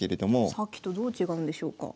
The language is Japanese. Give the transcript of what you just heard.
さっきとどう違うんでしょうか？